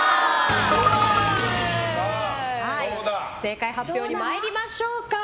正解発表に参りましょう。